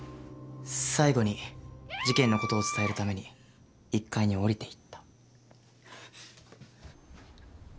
最後に事件の事を伝えるために１階に下りていった。